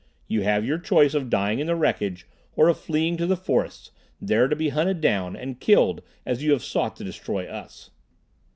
You have your choice of dying in the wreckage, or of fleeing to the forests, there to be hunted down and killed as you have sought to destroy us!"